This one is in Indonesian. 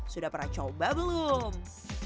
sudah pernah coba belum